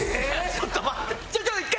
ちょっと待って。